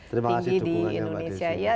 tinggi di indonesia